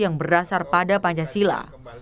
yang berdasar pada pancasila